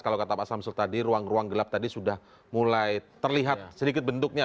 kalau kata pak samsul tadi ruang ruang gelap tadi sudah mulai terlihat sedikit bentuknya